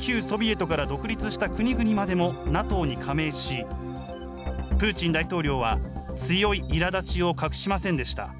旧ソビエトから独立した国々までもＮＡＴＯに加盟し、プーチン大統領は、強いいらだちを隠しませんでした。